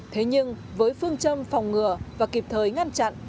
thế nhưng với phương châm phòng ngừa và kịp thời ngăn chặn